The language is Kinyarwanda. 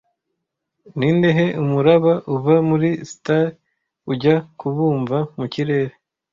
Nindehe umuraba uva muri sitar ujya kubumva mukirere